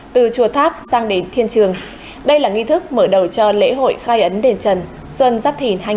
từ chùa tháp sang đến thiên trường đây là nghi thức mở đầu cho lễ hội khai ấn đền trần xuân giáp thìn hai nghìn hai mươi bốn